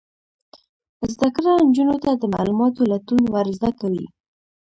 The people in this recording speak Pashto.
زده کړه نجونو ته د معلوماتو لټون ور زده کوي.